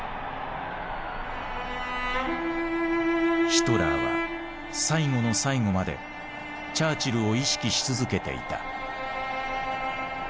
ヒトラーは最後の最後までチャーチルを意識し続けていた。